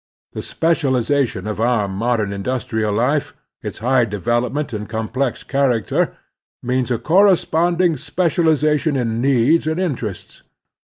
The specialization of our mod em industrial life, its high development and complex character, means a corresponding special ization in needs and interests.